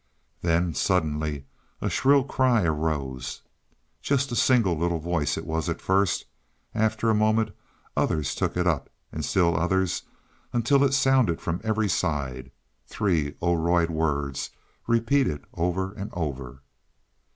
Then suddenly a shrill cry arose just a single little voice it was at first. After a moment others took it up, and still others, until it sounded from every side three Oroid words repeated over and over.